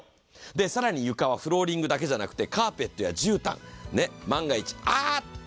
更に床はフローリングだけじゃなくてカーペットやじゅうたん、万が一、ああっ！